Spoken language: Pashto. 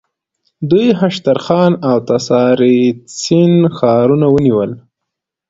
دوی هشترخان او تساریتسین ښارونه ونیول.